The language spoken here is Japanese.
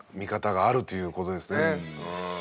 うん。